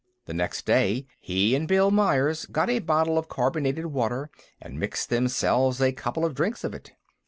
The next day, he and Bill Myers got a bottle of carbonated water and mixed themselves a couple of drinks of it.